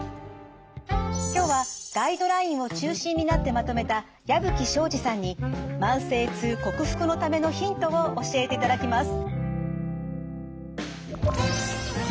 今日はガイドラインを中心になってまとめた矢吹省司さんに慢性痛克服のためのヒントを教えていただきます。